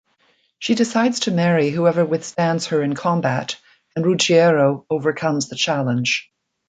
She decides to marry whoever withstands her in combat and Ruggiero overcomes the challenge.